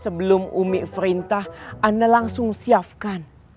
sebelum umik perintah ana langsung siapkan